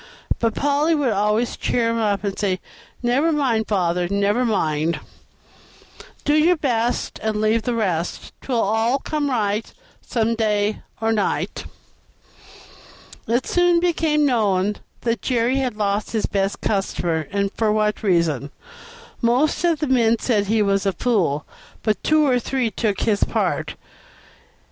But Polly would always cheer him up, and say, "Never mind, father, never, mind. "'Do your best, And leave the rest, 'Twill all come right Some day or night.'" It soon became known that Jerry had lost his best customer, and for what reason. Most of the men said he was a fool, but two or three took his part.